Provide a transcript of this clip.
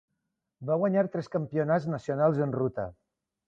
Va guanyar tres Campionats nacionals en ruta.